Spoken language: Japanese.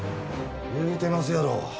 言うてますやろ？